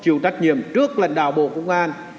chịu trách nhiệm trước lãnh đạo bộ công an